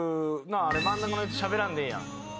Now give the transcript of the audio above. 真ん中のやつしゃべらんでええやん。